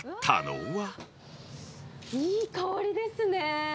いい香りですね。